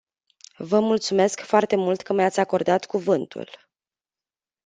Vă mulțumesc foarte mult că mi-ați acordat cuvântul.